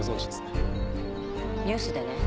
ニュースでね。